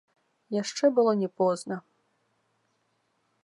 Яшчэ было не позна.